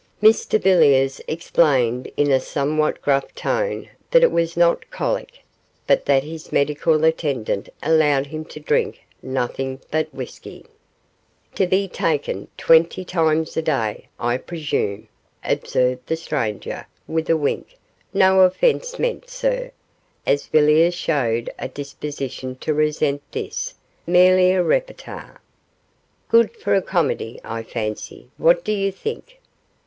Mr Villiers explained in a somewhat gruff tone that it was not colic, but that his medical attendant allowed him to drink nothing but whisky. 'To be taken twenty times a day, I presume,' observed the stranger, with a wink; 'no offence meant, sir,' as Villiers showed a disposition to resent this, 'merely a repartee. Good for a comedy, I fancy; what do you think?